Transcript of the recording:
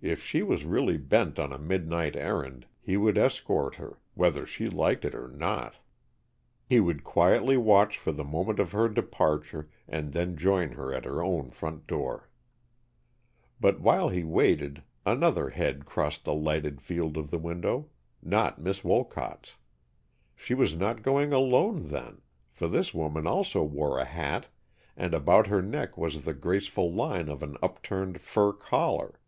If she was really bent on a midnight errand, he would escort her, whether she liked it or not. He would quietly watch for the moment of her departure, and then join her at her own front door. But while he waited, another head crossed the lighted field of the window, not Miss Wolcott's. She was not going alone, then, for this woman also wore a hat, and about her neck was the graceful line of an upturned fur collar.